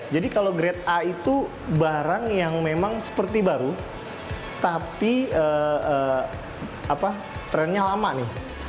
jadi kalau grade a itu barang yang memang seperti baru tapi trendnya lama nih